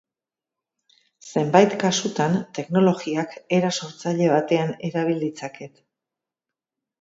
Zenbait kasutan teknologiak era sortzaile batean erabil ditzaket.